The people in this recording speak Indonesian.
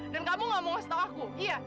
dan kamu gak mau ngasih tau aku